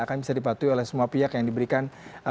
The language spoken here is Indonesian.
akan bisa dipatuhi oleh semua pihak yang diberikan